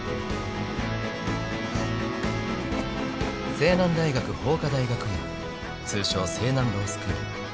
［青南大学法科大学院通称青南ロースクール］